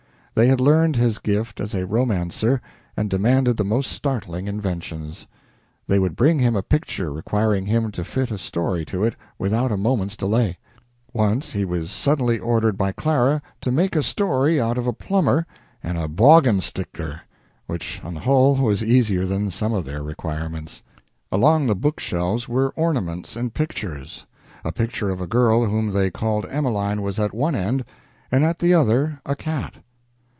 They had learned his gift as a romancer and demanded the most startling inventions. They would bring him a picture requiring him to fit a story to it without a moment's delay. Once he was suddenly ordered by Clara to make a story out of a plumber and a "bawgunstictor," which, on the whole, was easier than some of their requirements. Along the book shelves were ornaments and pictures. A picture of a girl whom they called "Emeline" was at one end, and at the other a cat.